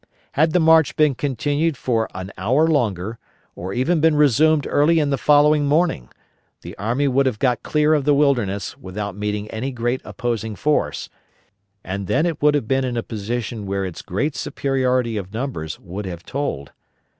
Had the march been continued for an hour longer, or even been resumed early in the following morning, the army would have got clear of the Wilderness without meeting any great opposing force, and then it would have been in a position where its great superiority of numbers would have told.